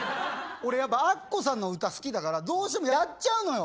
俺やっぱアッコさんの歌好きだからどうしてもやっちゃうのよ